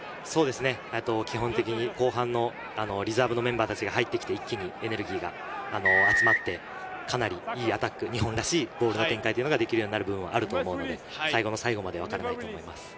基本的に後半のリザーブのメンバーたちが入ってきて一気にエネルギーが集まって、かなり良いアタック、日本らしいボールの展開ができるのはあると思うので、最後の最後まで分からないと思います。